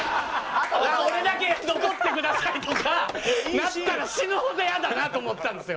「俺だけ残ってください」とかなったら死ぬほどイヤだなと思ったんですよ。